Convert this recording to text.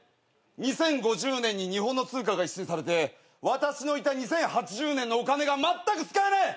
２０５０年に日本の通貨が一新されて私のいた２０８０年のお金がまったく使えない！